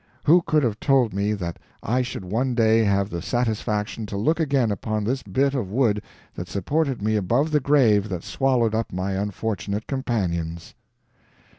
Who could have told me that I should one day have the satisfaction to look again upon this bit of wood that supported me above the grave that swallowed up my unfortunate companions!"